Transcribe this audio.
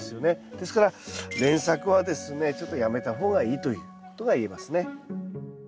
ですから連作はですねちょっとやめた方がいいということが言えますね。